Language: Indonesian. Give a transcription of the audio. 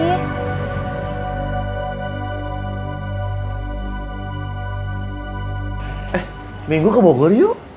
eh minggu ke bogor yuk